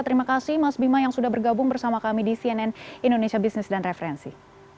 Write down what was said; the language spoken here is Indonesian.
terima kasih mas bima yang sudah bergabung bersama kami di cnn indonesia business dan referensi